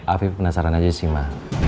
api penasaran aja sih ma